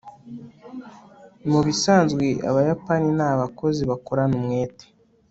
mubisanzwe, abayapani ni abakozi bakorana umwete